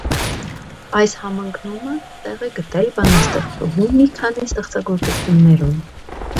Այս համընկնումը տեղ է գտել բանաստեղծուհու մի քանի ստեղծագործություններում։